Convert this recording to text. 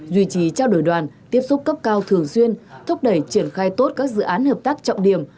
duy trì trao đổi đoàn tiếp xúc cấp cao thường xuyên thúc đẩy triển khai tốt các dự án hợp tác trọng điểm